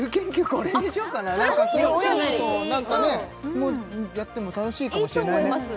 これにしようかな何かやっても楽しいかもしれないねいいと思います